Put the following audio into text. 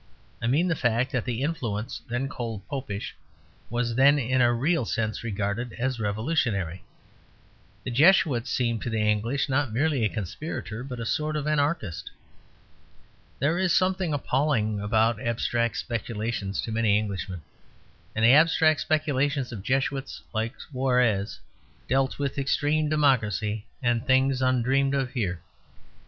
I mean the fact that the influence then called Popish was then in a real sense regarded as revolutionary. The Jesuit seemed to the English not merely a conspirator but a sort of anarchist. There is something appalling about abstract speculations to many Englishmen; and the abstract speculations of Jesuits like Suarez dealt with extreme democracy and things undreamed of here.